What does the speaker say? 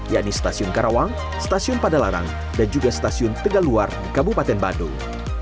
yakni stasiun karawang stasiun padalarang dan juga stasiun tegaluar di kabupaten bandung